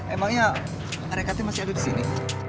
emangnya mereka tuh masih ada di sini